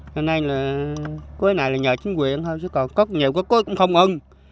nên này là cưới này là nhờ chính quyền thôi chứ còn có nhiều cái cưới cũng không ưng